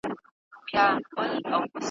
چي د شر تخم تباه نه کړی یارانو `